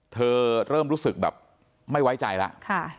เริ่มรู้สึกแบบไม่ไว้ใจแล้ว